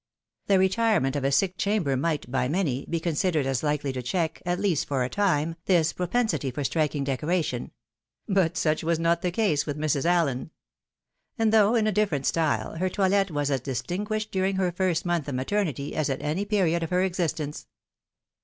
The retirement of a sick chamber might, by many, be considered as likely to check, at least for a time, this propensity for striking decoration ; but such was not the case with Mrs. AUen ; and, though in a different style, her toilet was as dis tinguished during her first month of maternity as at any period of her existence.